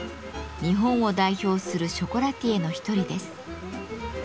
日本を代表するショコラティエの一人です。